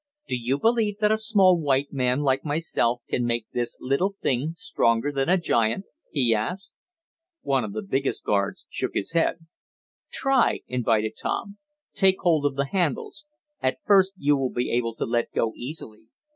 Do you believe that a small white man like myself can make this little thing stronger than a giant?" he asked. One of the biggest of the guards shook his head. "Try," invited Tom. "Take hold of the handles. At first you will be able to let go easily.